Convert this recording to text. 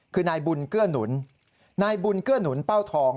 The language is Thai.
คือนายบุญเกื้อหนุนนายบุญเกื้อหนุนเป้าทอง